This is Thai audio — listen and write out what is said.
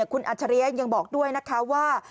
คุณอัจฉริยะยังบอกด้วยนะคะว่า